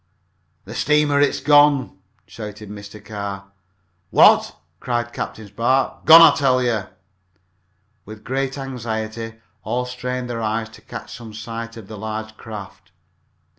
"The steamer! It's gone!" shouted Mr. Carr. "What!" cried Captain Spark. "Gone, I tell you!" With great anxiety all strained their eyes to catch some sight of the large craft.